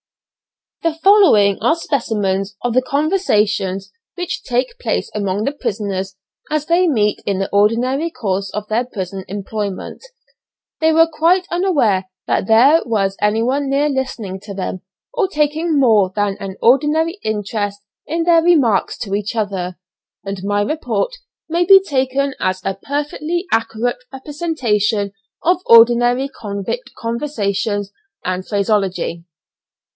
The following are specimens of the conversations which take place among the prisoners as they meet in the ordinary course of their prison employment. They were quite unaware that there was anyone near listening to them, or taking more than an ordinary interest in their remarks to each other, and my report may be taken as a perfectly accurate representation of ordinary convict conversation and phraseology.